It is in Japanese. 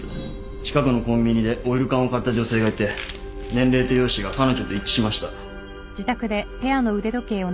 近くのコンビニでオイル缶を買った女性がいて年齢と容姿が彼女と一致しました。